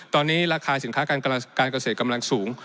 ตอนนี้ราคาสินค้าการเกษตรกำลังสูง